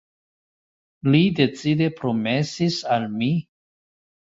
Li decide promesis al mi.